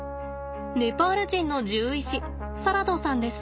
ネパール人の獣医師サラドさんです。